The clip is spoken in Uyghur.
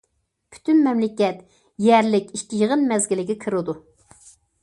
پۈتۈن مەملىكەت يەرلىك ئىككى يىغىن مەزگىلىگە كىرىدۇ.